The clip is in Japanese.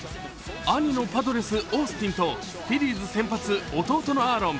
兄のパドレス、オースティンとフィリーズ先発、弟のアーロン。